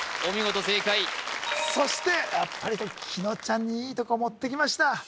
お見事正解そして紀野ちゃんにいいとこ持ってきました